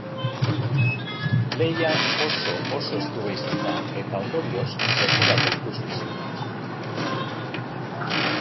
Lehia oso oso estua izan da eta ondorioz sekulako ikuskizuna.